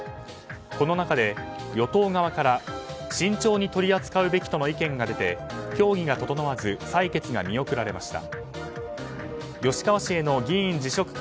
この中で与党側から慎重に取り扱うべきとの意見が出て協議が行われず採決が見送られました。